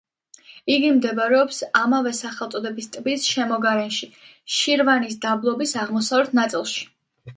იგი მდებარეობს ამავე სახელწოდების ტბის შემოგარენში, შირვანის დაბლობის აღმოსავლეთ ნაწილში.